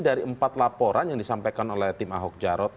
jadi dari empat laporan yang disampaikan oleh tim ahok jarot